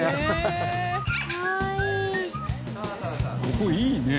ここいいね。